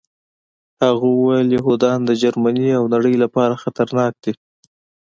هغه وویل یهودان د جرمني او نړۍ لپاره خطرناک دي